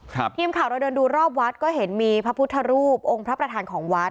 ทีมข่าวเราเดินดูรอบวัดก็เห็นมีพระพุทธรูปองค์พระประธานของวัด